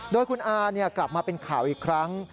โดยคุณอากลับมาเป็นข่าวอีกครั้ง